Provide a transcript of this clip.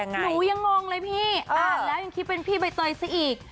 หนูยังงงเลยพี่อ่านแล้วยังคิดเป็นพี่ใบเตยซะอีก